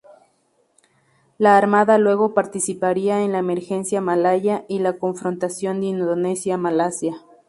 La Armada luego participaría en la Emergencia Malaya, y la confrontación Indonesia-Malasia.